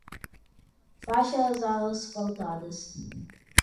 Faixas asfaltadas